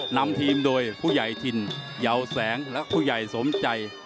นำทีมโดยผู้ใหญ่ถิ่นเยาวแสงและผู้ใหญ่สมใจ